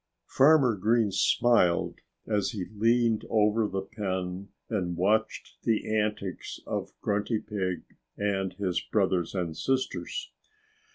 Farmer Green smiled as he leaned over the pen and watched the antics of Grunty Pig and his brothers and sisters.